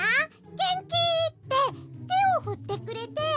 げんき？」っててをふってくれて。